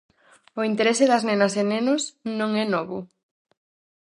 O interese das nenas e nenos non é novo.